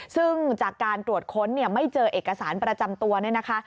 ซึ่งจากการตรวจค้นไม่เจอเอกสารประจำตัวนะคะ